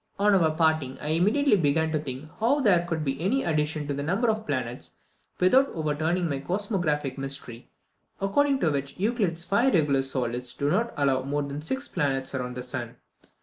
On our parting, I immediately began to think how there could be any addition to the number of the planets without overturning my 'Cosmographic Mystery,' according to which Euclid's five regular solids do not allow more than six planets round the sun....